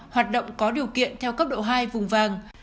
hoạt động có điều kiện theo cấp độ hai vùng vàng